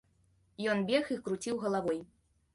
Ён бег і круціў галавой.